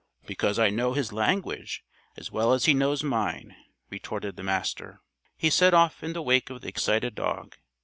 "Because I know his language as well as he knows mine," retorted the Master. He set off in the wake of the excited dog.